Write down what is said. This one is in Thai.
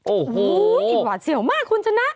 โอ้โหหวาดเสี่ยวมากคุณชนะ